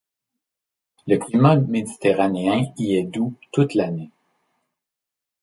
Le climat méditerranéen y est doux toute l'année.